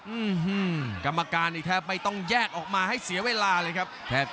อืมกรรมการนี่แทบไม่ต้องแยกออกมาให้เสียเวลาเลยครับ